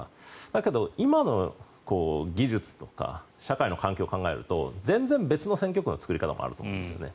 だけど、今の技術とか社会の環境を考えると全然別の選挙区の作り方もあると思うんですよね。